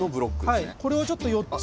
これをちょっと４つ。